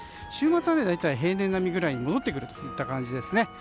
週末は、大体平年並みくらいに戻ってくるといった感じですね。